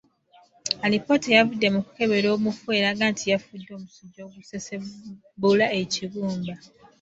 Alipoota eyavudde mu kukebera omufu eraga nti yafudde omusujja ogusesebbula ekibumba.